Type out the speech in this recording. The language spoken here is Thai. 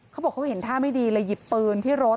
เขาบอกเขาเห็นท่าไม่ดีเลยหยิบปืนที่รถ